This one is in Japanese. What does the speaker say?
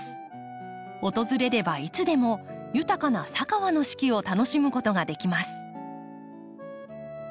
訪れればいつでも豊かな佐川の四季を楽しむことができます。